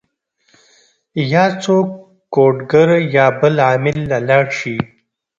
يا څوک کوډ ګر يا بل عامل له لاړ شي